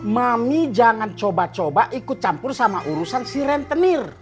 mami jangan coba coba ikut campur sama urusan si rentenir